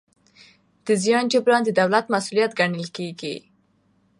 د زیان جبران د دولت مسوولیت ګڼل کېږي.